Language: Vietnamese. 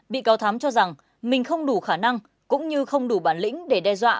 bị cáo thắm cho rằng mình không đủ khả năng cũng như không đủ bản lĩnh để đe dọa